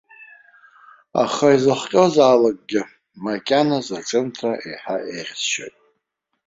Аха, изыхҟьозаалакгьы, макьаназ аҿымҭра еиҳа еиӷьасшьоит.